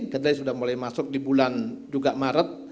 kedai sudah mulai masuk di bulan juga maret